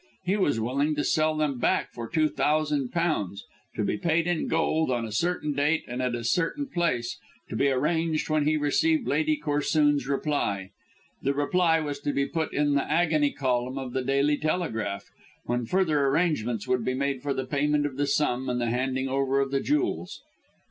He was willing to sell them back for two thousand pounds, to be paid in gold on a certain date and at a certain place, to be arranged when he received Lady Corsoon's reply. The reply was to be put in the agony column of the Daily Telegraph, when further arrangements would be made for the payment of the sum and the handing over of the jewels.